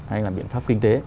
hay là biện pháp kinh tế